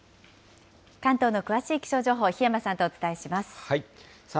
関東の詳しい気象情報、檜山さんとお伝えします。